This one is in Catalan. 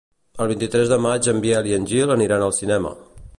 El vint-i-tres de maig en Biel i en Gil aniran al cinema.